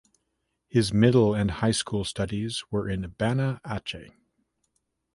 His middle and high school studies were in Banda Aceh.